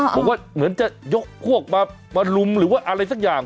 บอกว่าเหมือนจะยกพวกมาลุมหรือว่าอะไรสักอย่าง